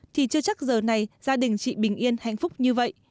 thì chưa chắc giờ này gia đình chị bình yên hạnh phúc như vậy